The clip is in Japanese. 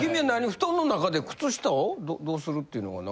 布団の中で靴下をどうするっていうのがなんか。